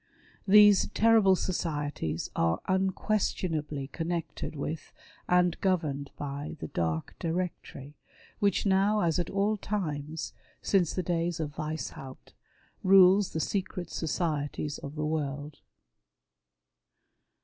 These terrible societies are unquestionably connected with, and governed by, the dark directory, which now, as at all times since the days of Weishaupt, rules the secret societies of the world.